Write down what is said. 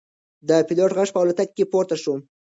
د پیلوټ غږ په الوتکه کې پورته شو.